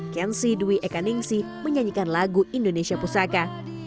kenzi dwi ekaningsi menyanyikan lagu indonesia pusaka